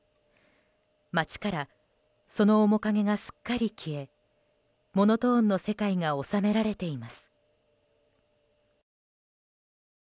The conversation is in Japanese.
街からその面影がすっかり消えモノトーンの世界が収められています。